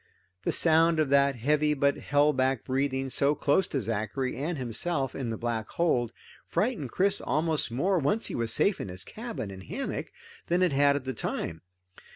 The sound of that heavy but held back breathing, so close to Zachary and himself in the black hold, frightened Chris almost more, once he was safe in his cabin and hammock, than it had at the time.